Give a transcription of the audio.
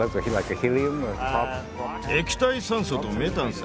液体酸素とメタンさ。